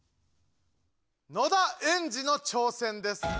野田エンジの挑戦です。